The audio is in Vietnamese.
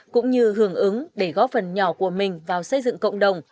cũng như hưởng ứng để góp phần nhỏ của mình vào xây dựng cộng đồng